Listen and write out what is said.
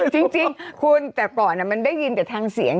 จริงคุณแต่ก่อนมันได้ยินแต่ทางเสียง